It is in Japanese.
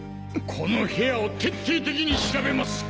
この部屋を徹底的に調べます！